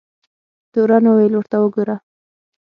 تورن وویل ورته وګوره.